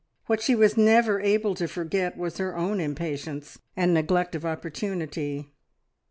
What she was never able to forget was her own impatience and neglect of opportunity.